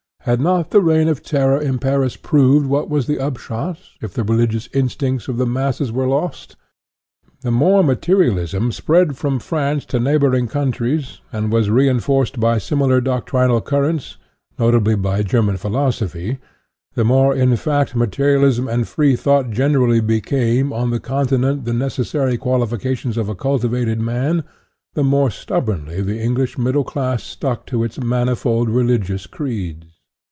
Had not the reign of terror in Paris proved what was the upshot, if the religious instincts of the masses were lost? The more materialism spread from France to neighboring countries, and was reinforced by similar doctrinal currents, notably by German philosophy, the more, in fact, ma terialism and freethought generally became, on the Continent, the necessary qualifications of a cultivated man, the more stubbornly the English middle class stuck to its manifold religious creeds.